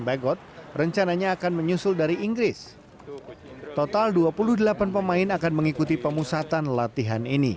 bagot rencananya akan menyusul dari inggris total dua puluh delapan pemain akan mengikuti pemusatan latihan ini